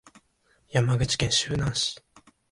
山口県周南市